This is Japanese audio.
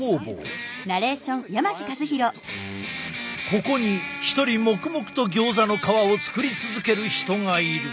ここに一人黙々とギョーザの皮を作り続ける人がいる。